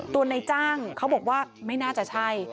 ในจ้างเขาบอกว่าไม่น่าจะใช่